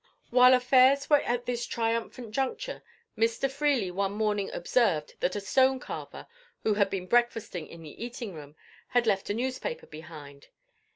While affairs were at this triumphant juncture, Mr. Freely one morning observed that a stone carver who had been breakfasting in the eating room had left a newspaper behind.